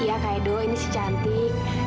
iya kak edo ini si cantik